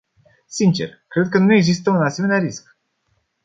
Sincer, cred că nu există un asemenea risc.